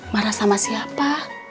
marah sama siapa